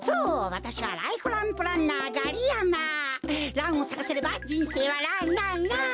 ランをさかせればじんせいはランランラン！